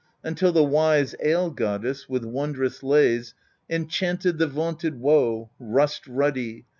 Until the wise ale goddess, With wondrous lays, enchanted The vaunted woe, rust ruddy.